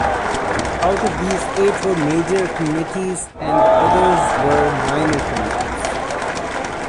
Out of these, eight were major committees and the others were minor committees.